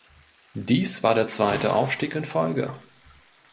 Dies war der zweite Aufstieg in Folge.